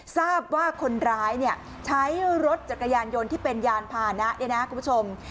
ทราบว่าคนร้ายใช้รถจักรยานยนต์ที่เป็นยานพานะเนี่ยนะคุณผู้ชม